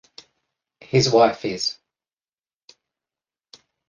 His wife is.